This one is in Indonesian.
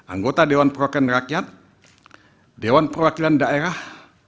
anggota dewan perwakilan rakyat dewan perwakilan daerah